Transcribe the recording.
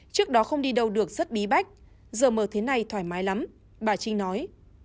trước đó không đi đâu được rất bí bách giờ mở thế này thoải mái lắm bà trinh nói